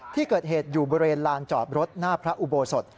ที่เกิดเหตุอยู่บริเวณลานจอดรถหน้าพระอุโบสถ